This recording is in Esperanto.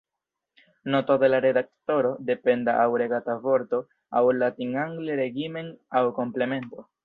Noto de la redaktoro: Dependa aŭ regata vorto aŭ latin-angle regimen aŭ komplemento.